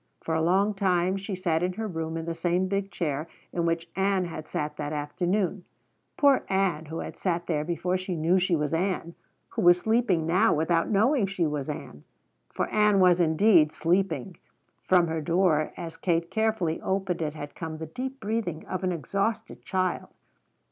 For a long time she sat in her room in the same big chair in which Ann had sat that afternoon. Poor Ann, who had sat there before she knew she was Ann, who was sleeping now without knowing she was Ann. For Ann was indeed sleeping. From her door as Kate carefully opened it had come the deep breathing as of an exhausted child.